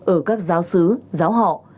ở các giáo sứ giáo họ